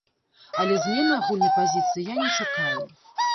Але змены агульнай пазіцыі я не чакаю.